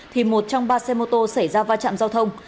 thì một trong ba xe mô tô xảy ra va chạm giao thông